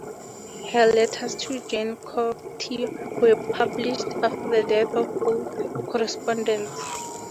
Her letters to Jean Cocteau were published after the death of both correspondents.